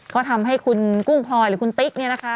ก็ทำให้คุณกุ้งพลอยหรือคุณติ๊กเนี่ยนะคะ